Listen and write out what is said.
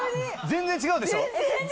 全然違うでしょ？